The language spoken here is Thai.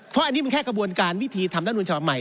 เพราะอันนี้มันแค่กระบวนการวิธีทำรัฐมนุนฉบับใหม่